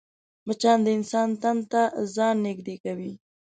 مچان د انسان تن ته ځان نږدې کوي